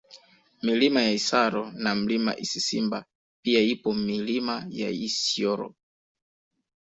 Milima ya Isaro na Mlima Isisimba pia ipo Milima ya Isyoro